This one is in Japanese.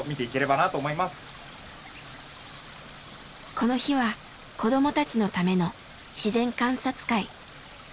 この日は子供たちのための自然観察会。